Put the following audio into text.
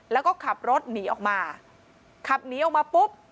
แล้วก็ขับรถหนีออกมาขับหนีออกมาปุ๊บ